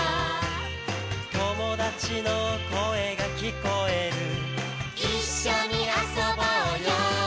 「友達の声が聞こえる」「一緒に遊ぼうよ」